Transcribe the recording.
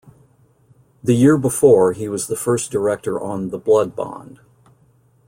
The year before he was the first director on "The Blood Bond".